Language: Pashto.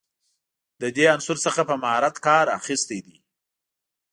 له دې عنصر څخه په مهارت کار اخیستی دی.